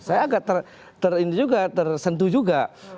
saya agak tersentuh juga